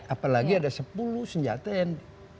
apalagi ada sepuluh senjata yang